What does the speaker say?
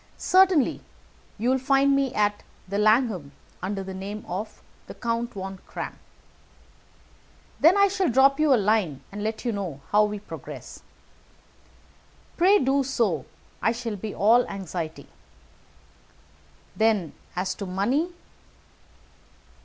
"Certainly. You will find me at the Langham, under the name of the Count von Kramm." "Then I shall drop you a line to let you know how we progress." "Pray do so; I shall be all anxiety." "Then, as to money?"